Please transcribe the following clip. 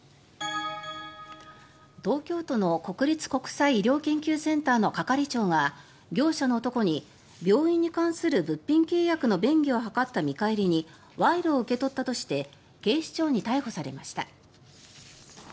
東京都の国立国際医療研究センターの係長が業者の男に病院に関する物品契約の便宜を図った見返りに賄賂を受け取ったとして警視庁に逮捕されました。